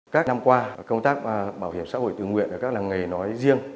các năm qua công tác bảo hiểm xã hội tự nguyện ở các làng nghề nói riêng